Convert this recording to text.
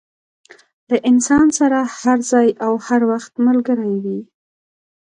له انسان سره هر ځای او هر وخت ملګری وي.